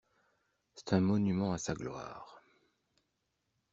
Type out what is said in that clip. C'est un monument à sa gloire.